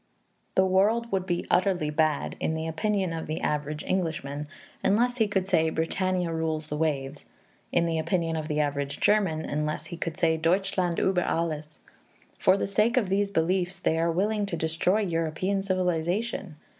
The world would be utterly bad, in the opinion of the average Englishman, unless he could say "Britannia rules the waves"; in the opinion of the average German, unless he could say "Deutschland über alles." For the sake of these beliefs, they are willing to destroy European civilization.